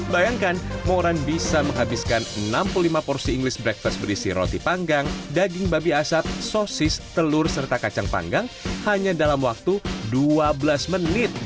bayangkan moran bisa menghabiskan enam puluh lima porsi inggris breakfast berisi roti panggang daging babi asap sosis telur serta kacang panggang hanya dalam waktu dua belas menit